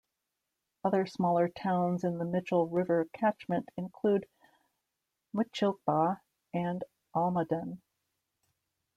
Other smaller towns in the Mitchell River catchment include Mutchilba and Almaden.